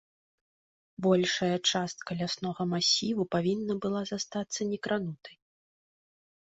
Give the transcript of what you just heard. Большая частка ляснога масіву павінна была застацца некранутай.